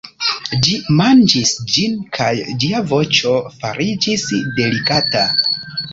Ĝi manĝis ĝin kaj ĝia voĉo fariĝis delikata.